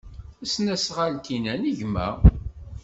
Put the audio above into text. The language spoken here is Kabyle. Tasnasɣalt-inna n gma.